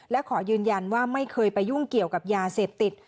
และขอยืนยันว่าไม่เคยไปยุ่งเกี่ยวกับยาเสพติด